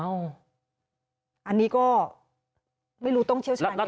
อันนี้ก็ไม่รู้ต้องเชี่ยวชาญยังไง